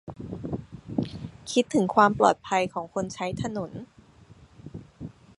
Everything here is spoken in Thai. -คิดถึงความปลอดภัยของคนใช้ถนน